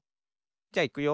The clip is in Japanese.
じゃいくよ。